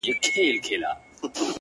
دا روڼه ډېــوه مي پـه وجـود كي ده”